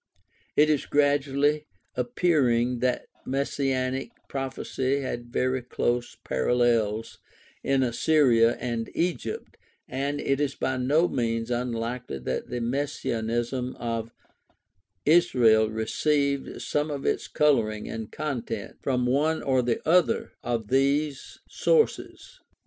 It is gradually appearing that messianic prophecy had very close parallels in Assyria and Egypt, and it is by no means unlikely that the messianism of Israel received some of its coloring and content from one or the other of these sources.